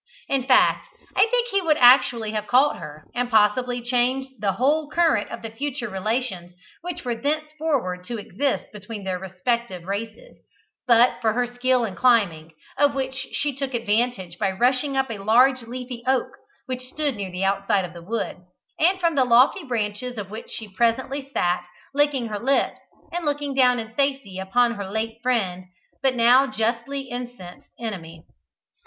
In fact I think he would actually have caught her, and possibly changed the whole current of the future relations which were thenceforward to exist between their respective races, but for her skill in climbing, of which she took advantage by rushing up a large leafy oak which stood near the outside of the wood, and from the lofty branches of which she presently sat licking her lips and looking down in safety upon her late friend, but now justly incensed enemy.